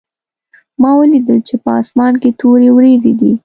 ما ولیدل چې په اسمان کې تورې وریځې دي